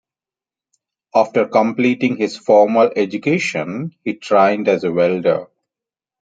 After completing his formal education, he trained as a welder.